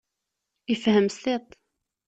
Ifhem s tiṭ.